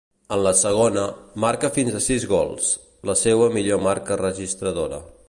En la segona, marca fins a sis gols, la seua millor marca registradora.